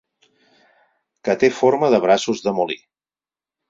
Que té forma de braços de molí.